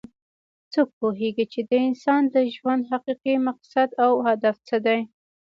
څوک پوهیږي چې د انسان د ژوند حقیقي مقصد او هدف څه ده